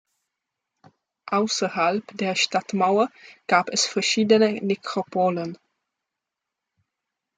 Außerhalb der Stadtmauer gab es verschiedene Nekropolen.